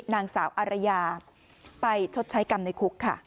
นางสาวอารยาไปชดใช้กรรมในคุกค่ะ